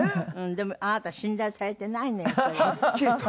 でもあなた信頼されていないのよ。はっきりと。